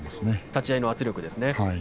立ち合いの圧力ですね。